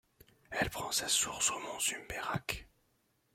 Elle prend sa source au mont Žumberak.